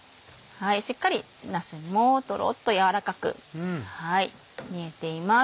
しっかりなすもトロっと軟らかく煮えています。